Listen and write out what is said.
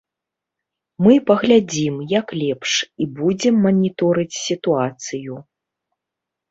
Мы паглядзім, як лепш, і будзем маніторыць сітуацыю.